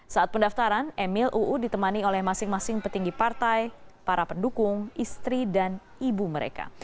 saat pendaftaran emil uu ditemani oleh masing masing petinggi partai para pendukung istri dan ibu mereka